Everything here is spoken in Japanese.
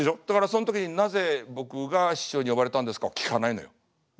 だからそん時に「なぜ僕が師匠に呼ばれたんですか？」を聞かないのよ。